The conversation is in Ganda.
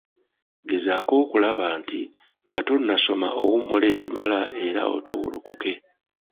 Gezaako okulaba nti nga tonnasoma owummula ekimala era otoowolokoke.